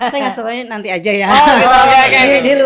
saya ngga setuju nanti aja ya oh gitu oke